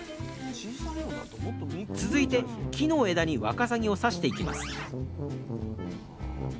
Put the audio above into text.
続いて木の枝にわかさぎを刺していきます